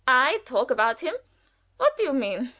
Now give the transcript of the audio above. "I talk about him! What do you mean?